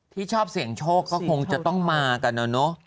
ที่ชอบเสี่ยงโชคก็คงจะต้องมากันนะเนอะ